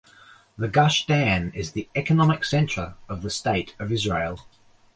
The Gush Dan is the economic center of the state of Israel.